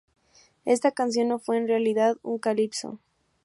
Esta canción no fue en realidad un calypso.